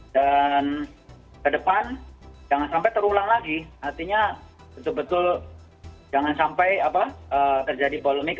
dan ke depan jangan sampai terulang lagi artinya betul betul jangan sampai terjadi polemik